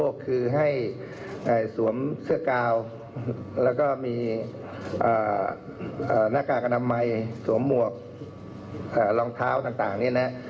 ก็คือให้สวมเสื้อกาวแล้วก็มีหน้ากากอนามัยสวมหมวกรองเท้าต่างนี่นะ